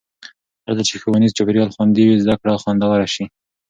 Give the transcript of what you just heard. هرځل چې ښوونیز چاپېریال خوندي وي، زده کړه خوندوره شي.